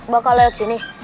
bakal liat sini